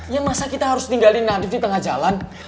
ya masa kita harus tinggalin nanti di tengah jalan